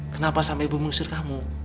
kenapa sampai ibu mengusir kamu